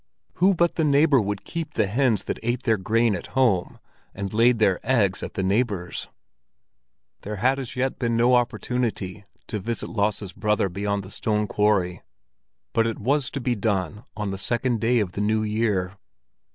Who but the neighbor would keep the hens that ate their grain at home and laid their eggs at the neighbor's? There had as yet been no opportunity to visit Lasse's brother beyond the stone quarry, but it was to be done on the second day of the new year.